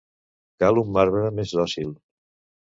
Cal un marbre més dòcil.